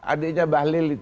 adiknya mbak lili